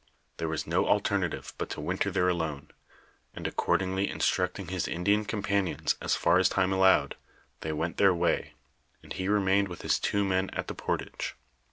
There was no alterna tive but to winter there alone, and accordingly instructing his Indian companions as far as time allowed, they went their way, and he remained with his two men at the portige.